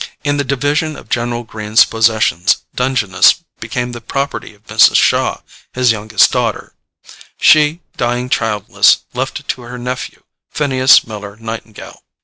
In the division of General Greene's possessions Dungeness became the property of Mrs. Shaw, his youngest daughter: she, dying childless, left it to her nephew, Phineas Miller Nightingale.